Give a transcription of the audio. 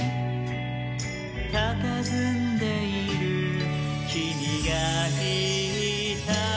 「たたずんでいるきみがいた」